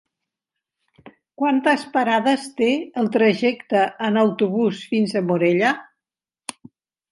Quantes parades té el trajecte en autobús fins a Morella?